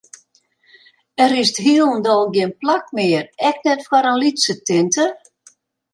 Is der hielendal gjin plak mear, ek net foar in lytse tinte?